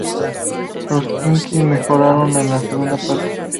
Los Knicks mejoraron en la segunda parte.